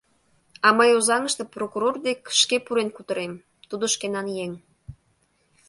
А мый Озаҥыште прокурор дек шке пурен кутырем, тудо - шкенан еҥ.